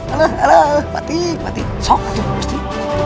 alah alah alah batin batin sok atu gusti